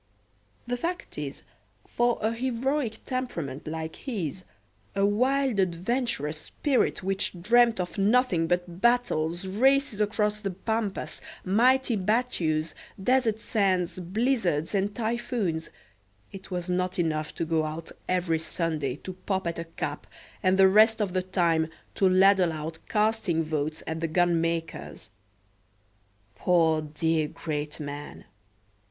The fact is, for a heroic temperament like his, a wild adventurous spirit which dreamt of nothing but battles, races across the pampas, mighty battues, desert sands, blizzards and typhoons, it was not enough to go out every Sunday to pop at a cap, and the rest of the time to ladle out casting votes at the gunmaker's. Poor dear great man!